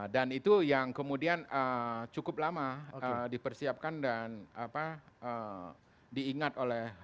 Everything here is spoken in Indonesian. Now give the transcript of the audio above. dan itu yang kemudian cukup lama dipersiapkan dan diingat oleh